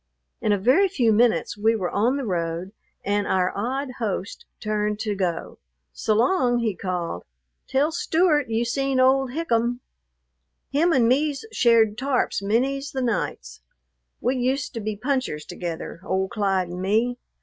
In a very few minutes we were on the road, and our odd host turned to go. "S'long!" he called. "Tell Stewart you seen old Hikum. Him and me's shared tarps many's the nights. We used to be punchers together, old Clyde and me.